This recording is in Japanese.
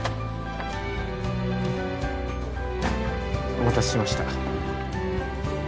お待たせしました。